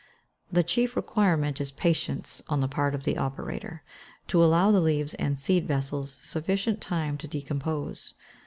The chief requirement is patience on the part of the operator, to allow the leaves and seed vessels sufficient time to decompose.